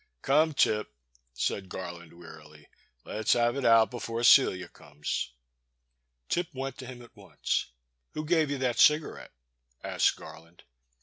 Come, Tip/' said Garland, wearily, let's have it out before Cdia comes." Tip went to him at once. *' Who gave you that cigarette ?'* asked Garland.